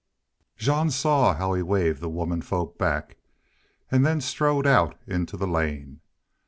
Jean saw how he' waved the womenfolk back, and then strode out into the lane.